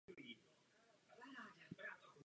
My musíme jít dále.